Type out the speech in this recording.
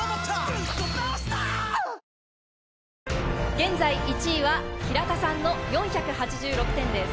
現在１位は平田さんの４８６点です。